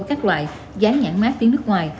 khác loại gián nhãn mát tiếng nước ngoài